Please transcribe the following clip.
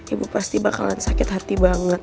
ibu pasti bakalan sakit hati banget